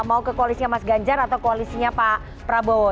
mau ke koalisnya mas ganjar atau koalisinya pak prabowo